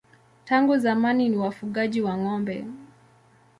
Tangu zamani ni wafugaji wa ng'ombe.